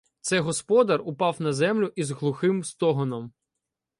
Це господар упав на землю із глухим стогоном.